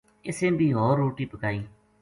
اِسیں بھی ہور روٹی پکائی